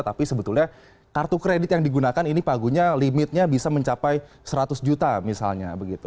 tapi sebetulnya kartu kredit yang digunakan ini pagunya limitnya bisa mencapai seratus juta misalnya